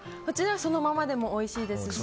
そのままでもおいしいですし。